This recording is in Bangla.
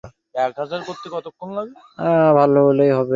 দেখতে শুনতে একটু ভালো হলেই হবে।